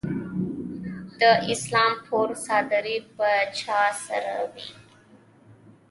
د اسلام پور څادرې به چا سره وي؟